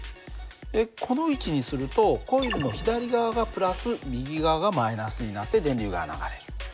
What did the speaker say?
この位置にするとコイルの左側がプラス右側がマイナスになって電流が流れる。